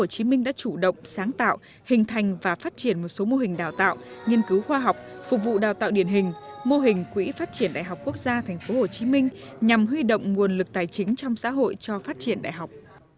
hồ chí minh đã chủ động sáng tạo hình thành và phát triển một số mô hình đào tạo nghiên cứu khoa học phục vụ đào tạo điển hình mô hình quỹ phát triển đại học quốc gia tp hcm nhằm huy động nguồn lực tài chính trong xã hội cho phát triển đại học